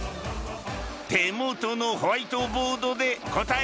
手元のホワイトボードで答えるのじゃ。